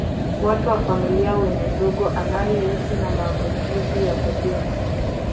Watu wa familia wenye ndugu anayeishi na maambukizi ya kudumu